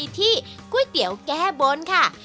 ที่ก๋วยเตี๋ยวแก้บนค่ะ